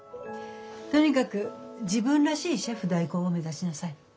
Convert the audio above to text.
とにかく自分らしいシェフ代行を目指しなさい。